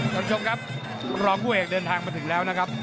ท่านผู้ชมครับรองผู้เอกเดินทางมาถึงแล้วนะครับ